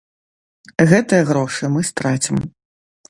Гэтыя грошы мы страцім.